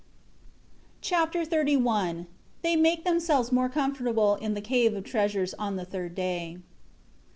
Chapter XXXI They make themselves more comfortable in the Cave of Treasures on the third day.